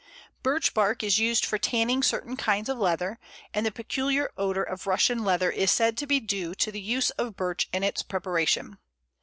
Birch bark is used for tanning certain kinds of leather, and the peculiar odour of Russian leather is said to be due to the use of Birch in its preparation.